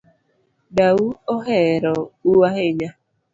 Dau ohero u ahinya